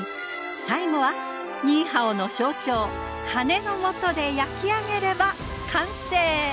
最後はニーハオの象徴羽根の素で焼き上げれば完成。